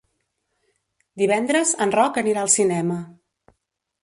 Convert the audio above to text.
Divendres en Roc anirà al cinema.